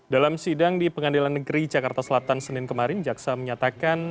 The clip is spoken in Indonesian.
dalam sidang di pengadilan negeri jakarta selatan senin kemarin jaksa menyatakan